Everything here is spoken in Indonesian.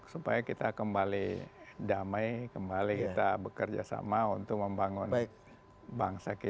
supaya kita kembali damai kembali kita bekerja sama untuk membangun bangsa kita